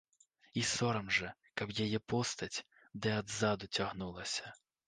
І сорам жа, каб яе постаць ды адзаду цягнулася.